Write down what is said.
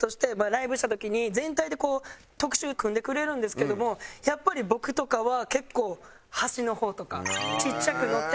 ライブした時に全体でこう特集組んでくれるんですけどもやっぱり僕とかは結構端の方とかちっちゃく載ってたり。